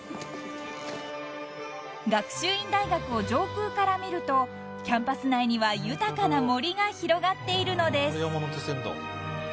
［学習院大学を上空から見るとキャンパス内には豊かな森が広がっているのです］